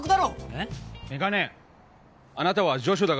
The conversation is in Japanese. えっ？